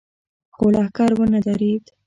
خو لښکر ونه درېد.